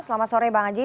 selamat sore bang aziz